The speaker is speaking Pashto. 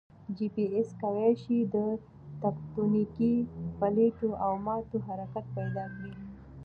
جي پي ایس کوای شي د تکوتنیکي پلیټو او ماتو حرکت پیدا کړي